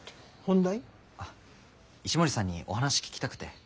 石森さんにお話聞きたくて。